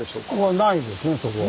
ないですねそこは。